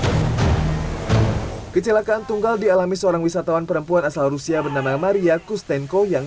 hai kecelakaan tunggal dialami seorang wisatawan perempuan asal rusia bernama maria kustenko yang